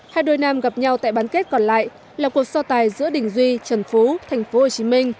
hai đôi nam gặp nhau tại bán kết còn lại là cuộc so tài giữa đình duy trần phú tp hcm